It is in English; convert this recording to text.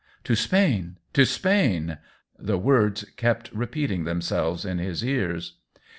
" To Spain — to Spain !" the words kept repeating themselves in his ears.